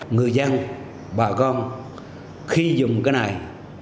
người dân bà con khi dùng cái này